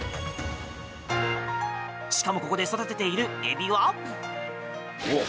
しかもここで育てているエビは。